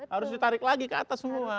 harus ditarik lagi ke atas semua